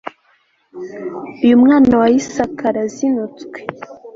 uyu mwana wa isaka arazinutswe